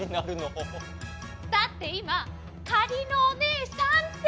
だっていま「かりのおねえさん」って。